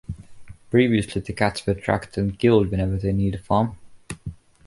Previously, the cats were tracked and killed whenever they neared a farm.